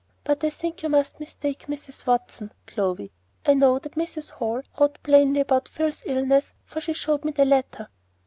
But I think you must mistake Mrs. Watson, Clovy. I know that Mrs. Hall wrote plainly about Phil's illness, for she showed me the letter."